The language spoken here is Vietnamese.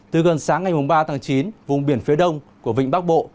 từ gần sáng ngày ba tháng chín vùng biển phía đông của vịnh bắc bộ